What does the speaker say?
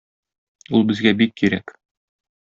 Ул безгә бик кирәк.